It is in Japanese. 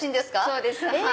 そうです。